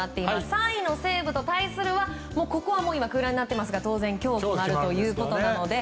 ３位の西武と対するは２位、１位は空欄になっていますが当然今日決まるということなので。